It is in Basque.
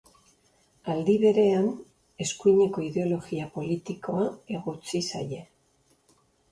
Aldi berean, eskuineko ideologia politikoa egotzi zaie.